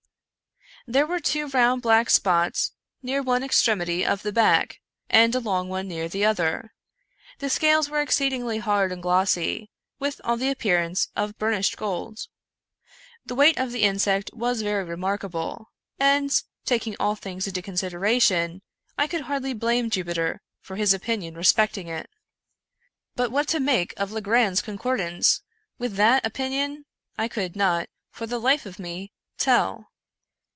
There were two round black spots near one ex tremity of the back, and a long one near the other. The scales were exceedingly hard and glossy, with all the ap pearance of burnished gold. The weight of the insect was very remarkable, and, taking all things into consideration, I could hardly blame Jupiter for his opinion respecting it; 133 American Mystery Stories but what to make of Legrand's concordance with that opin ion, I could not, for the life of me, tell.